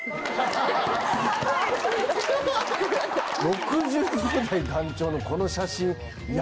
６５代団長のこの写真。